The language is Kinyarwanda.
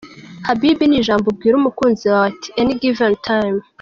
Habibi ni ijambo ubwira umukunzi wawe at any given time.